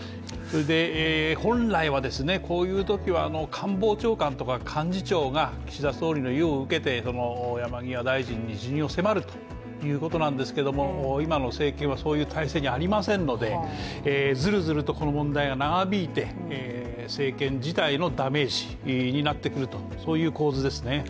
本来はこういうときは官房長官とか幹事長が岸田総理の意を受けて山際大臣に辞任を迫るということなんですけども今の政権はそういう体制にありませんのでずるずるとこの問題が長引いて、政権自体のダメージになってくるとそういう構図ですね。